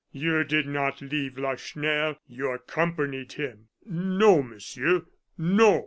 You did not leave Lacheneur, you accompanied him." "No, Monsieur, no!"